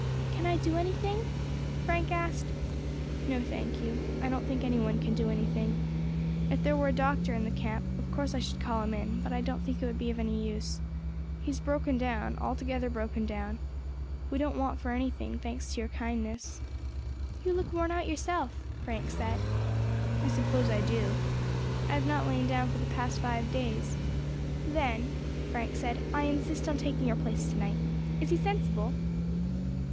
"Can I do anything?" Frank asked. "No, thank you; I don't think any one can do anything. If there were a doctor in camp, of course I should call him in; but I don't think it would be of any use. He's broken down, altogether broken down. We don't want for anything, thanks to your kindness." "You look worn out yourself," Frank said. "I suppose I do. I have not lain down for the past five days." "Then," Frank said, "I insist on taking your place to night. Is he sensible?"